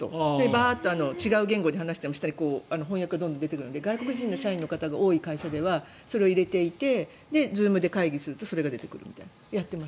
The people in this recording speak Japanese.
バーッと違う言語で話しても下に出ているので外国人の社員の方が多い会社ではそれを入れていてＺｏｏｍで会議するとそれが出てくるみたいな。